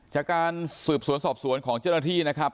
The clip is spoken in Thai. จากการสืบสวนสอบสวนของเจ้าหน้าที่นะครับ